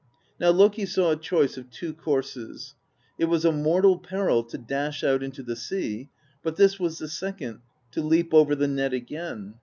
Now Loki saw a choice of two courses: it was a mortal peril to dash out into the sea; but this was the second — to leap over the net again.